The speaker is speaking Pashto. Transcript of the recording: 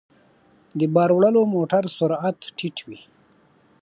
د بار وړلو موټر سرعت ټيټ وي.